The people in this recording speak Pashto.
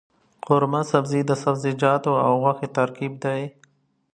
قورمه سبزي د سبزيجاتو او غوښې ترکیب دی.